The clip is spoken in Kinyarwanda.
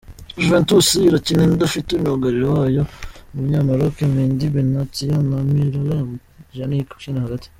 Juventus irakina idafte myugariro wayo, umunya Maroke Medhi Benatia na Miralem Pjanic ukina hagati.